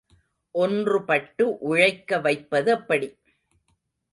ஒன்றுபட்டு உழைக்க வைப்பதெப்படி?